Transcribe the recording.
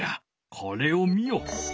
これを見よ。